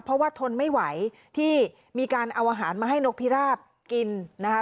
เพราะว่าทนไม่ไหวที่มีการเอาอาหารมาให้นกพิราบกินนะคะ